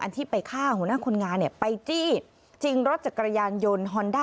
อันที่ไปฆ่าหัวหน้าคนงานเนี่ยไปจี้จริงรถจากกระยานยนต์